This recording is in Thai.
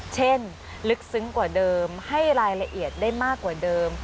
ลึกซึ้งกว่าเดิมให้รายละเอียดได้มากกว่าเดิม